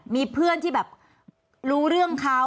มีเพื่อนที่แบบรู้เรื่องเขา